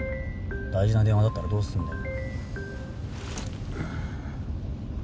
大事な電話だったらどうすんだよ。